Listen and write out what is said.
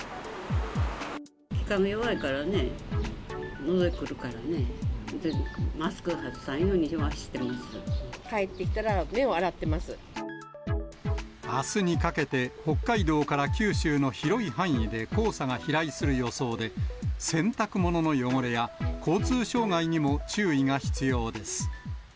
気管が弱いからね、のどへくるからね、帰ってきたら、目を洗ってまあすにかけて、北海道から九州の広い範囲で黄砂が飛来する予想で、洗濯物の汚れや、交通障害にも注意が必要です。